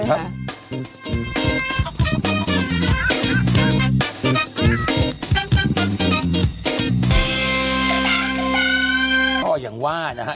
พี่โออย่างว่านะคะ